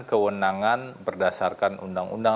kewenangan berdasarkan undang undang